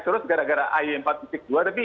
terus gara gara ayun empat dua tapi